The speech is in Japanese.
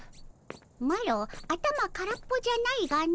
マロ頭空っぽじゃないがの。